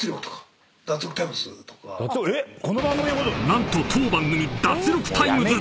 ［何と当番組『脱力タイムズ』！